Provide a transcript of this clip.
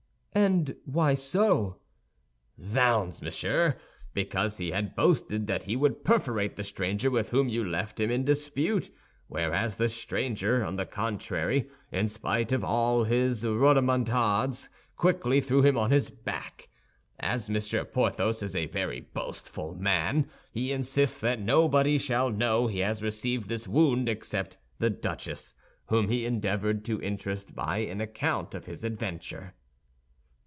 "And why so." "Zounds, monsieur! Because he had boasted that he would perforate the stranger with whom you left him in dispute; whereas the stranger, on the contrary, in spite of all his rodomontades quickly threw him on his back. As Monsieur Porthos is a very boastful man, he insists that nobody shall know he has received this wound except the duchess, whom he endeavored to interest by an account of his adventure."